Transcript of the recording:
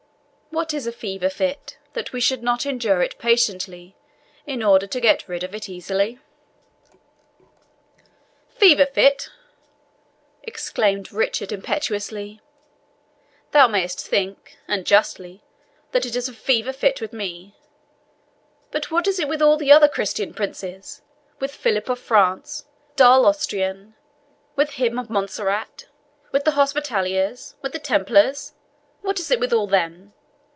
What is a fever fit, that we should not endure it patiently, in order to get rid of it easily?" "Fever fit!" exclaimed Richard impetuously; "thou mayest think, and justly, that it is a fever fit with me; but what is it with all the other Christian princes with Philip of France, with that dull Austrian, with him of Montserrat, with the Hospitallers, with the Templars what is it with all them?